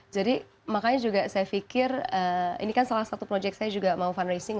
jadi makanya juga saya pikir ini kan salah satu project saya juga mau fundraising